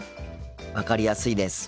分かりやすいです。